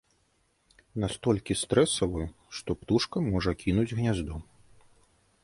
Настолькі стрэсавую, што птушка можа кінуць гняздо.